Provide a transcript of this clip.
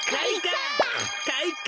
かいか！